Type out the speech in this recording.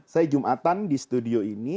saya jumatan di studio ini